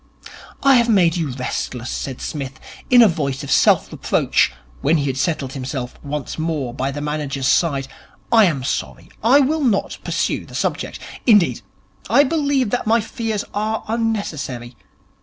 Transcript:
'I have made you restless,' said Psmith, in a voice of self reproach, when he had settled himself once more by the manager's side. 'I am sorry. I will not pursue the subject. Indeed, I believe that my fears are unnecessary.